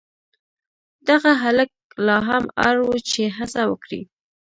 دغه هلک لا هم اړ و چې هڅه وکړي.